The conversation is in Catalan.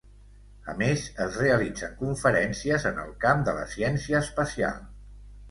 A més, es realitzen conferències en el camp de la ciència espacial.